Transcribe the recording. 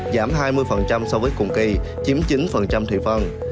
giảm hai mươi so với cùng kỳ chiếm chín thị phần